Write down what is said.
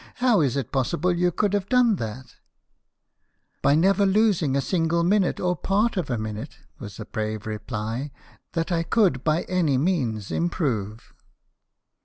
" How is it possible you could have done that ?"" By never losing a single minute or part of a minute," was the brave reply, " that I could by any means improve."